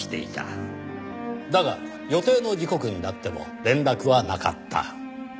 だが予定の時刻になっても連絡はなかった。